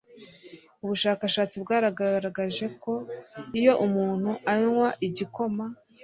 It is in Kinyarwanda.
ubushakashatsi bwagaragaje ko iyo umuntu anywa igikoma